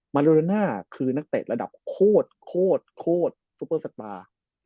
โรโดน่าคือนักเตะระดับโคตรโคตรโคตรซุปเปอร์สตาร์